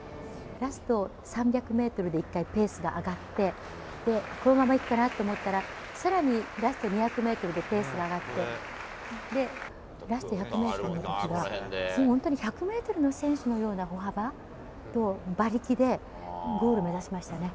ラスト３００メートルで１回ペースが上がって、このままいくかなと思ったら、さらにラスト２００メートルでペースが上がって、ラスト１００メートルのときは、本当に１００メートルの選手のような歩幅と馬力で、ゴール目指しましたね。